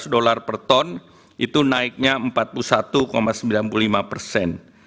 dua ratus dolar per ton itu naiknya empat puluh satu sembilan puluh lima persen